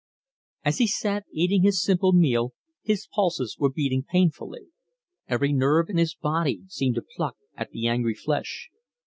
As he sat eating his simple meal his pulses were beating painfully. Every nerve in his body seemed to pluck at the angry flesh.